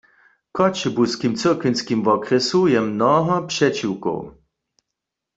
W Choćebuskim cyrkwinskim wokrjesu je mnoho přećiwkow.